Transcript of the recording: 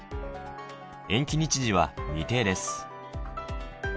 延期日時は未定です。